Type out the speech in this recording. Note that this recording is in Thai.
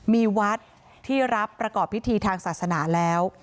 มีวัดที่รับประกอบพิธีทางศาสนาแล้ว